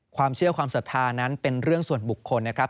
ความเชื่อความศรัทธานั้นเป็นเรื่องส่วนบุคคลนะครับ